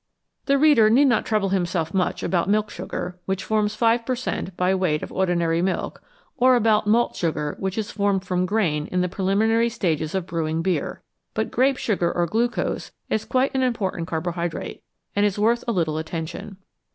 The reader need not trouble himself much about milk sugar, which forms 5 per cent, by weight of ordinary milk, or about malt sugar, which is formed from grain in the preliminary stages of brewing beer ; but grape sugar or glucose is quite an important carbohydrate, and is worth a little attention.